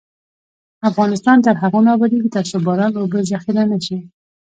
افغانستان تر هغو نه ابادیږي، ترڅو باران اوبه ذخیره نشي.